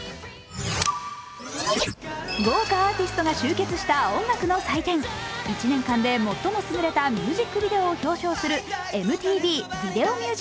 豪華アーティストが集結した音楽の祭典１年間で最も優れたミュージックビデオを表彰するＭＴＶＶｉｄｅｏＭｕｓｉｃＡｗａｒｄｓ。